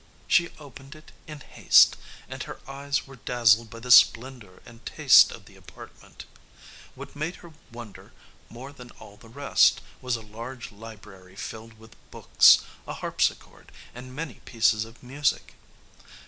She opened it in haste, and her eyes were dazzled by the splendor and taste of the apartment. What made her wonder more than all the rest was a large library filled with books, a harpsichord, and many pieces of music.